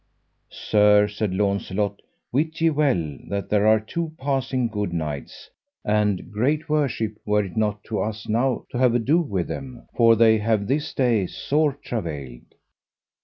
Sir, said Launcelot, wit ye well that there are two passing good knights, and great worship were it not to us now to have ado with them, for they have this day sore travailed.